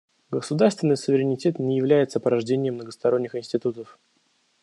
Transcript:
Государственный суверенитет не является порождением многосторонних институтов.